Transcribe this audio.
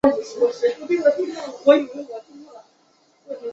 最终圣堂之门的女主角由飞担任。